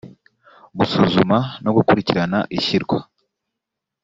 gusuzuma no gukurikirana ishyirwa